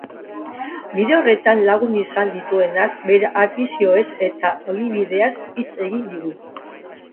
Bide horretan lagun izan dituenaz, bere afizioez eta ogibideaz hitz egin digu.